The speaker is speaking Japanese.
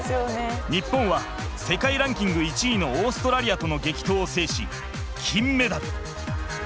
日本は世界ランキング１位のオーストラリアとの激闘を制し金メダル。